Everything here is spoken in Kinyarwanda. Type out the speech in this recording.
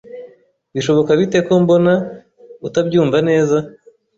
Bishoboka bite ko mbona utabyumva neza